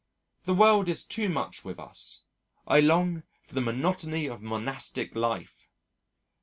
The world is too much with us. I long for the monotony of monastic life!